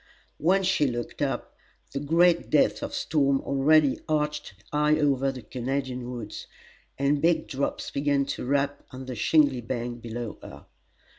When she looked up, the gray depth of storm already arched high over the Canadian woods, and big drops began to rap on the shingly bank below her.